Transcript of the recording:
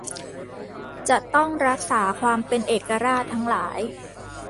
จะต้องรักษาความเป็นเอกราชทั้งหลาย